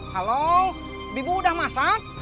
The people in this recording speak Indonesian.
halo bimbu udah masak